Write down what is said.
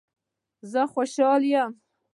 زه خوشحال یم